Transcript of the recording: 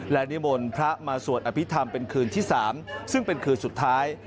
และนิมนต์พระมาสวดอภิษฐรรมเป็นคืนที่๓ซึ่งเป็นคืนสุดท้าย